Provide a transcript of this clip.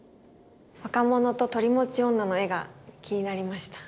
「若者と取り持ち女」の絵が気になりました。